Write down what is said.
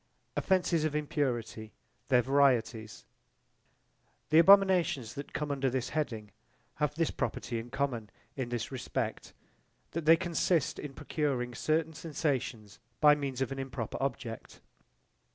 Offences of impurity their varietys The abominations that come under this heading have this property in common, in this respect, that they consist in procuring certain sensations by means of an improper object.